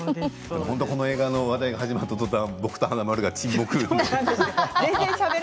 この映画の話題が始まったとたん僕と華丸が沈黙。